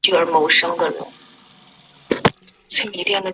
羽裂黄瓜菜为菊科黄瓜菜属下的一个种。